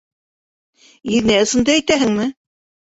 Еҙнәй, ысынды әйтәһеңме?